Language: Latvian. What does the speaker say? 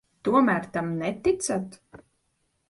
Tomēr tam neticat?